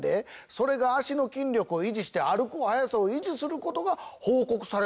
それが脚の筋力を維持して歩く速さを維持することが報告されてるらしいよ！